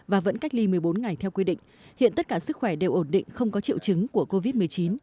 và vẫn cách ly một mươi bốn ngày theo quy định hiện tất cả sức khỏe đều ổn định không có triệu chứng của covid một mươi chín